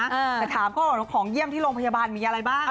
แต่ถามเขาบอกว่าของเยี่ยมที่โรงพยาบาลมีอะไรบ้าง